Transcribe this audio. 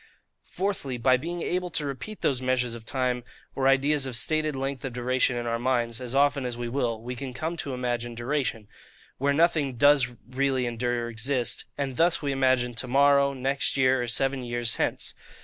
Fourthly, by being able to repeat those measures of time, or ideas of stated length of duration, in our minds, as often as we will, we can come to imagine DURATION,—WHERE NOTHING DOES REALLY ENDURE OR EXIST; and thus we imagine to morrow, next year, or seven years hence.